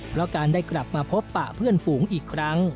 เพราะการได้กลับมาพบปะเพื่อนฝูงอีกครั้ง